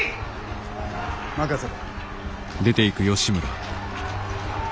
任せろ。